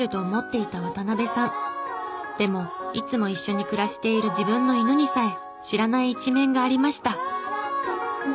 でもいつも一緒に暮らしている自分の犬にさえ知らない一面がありました。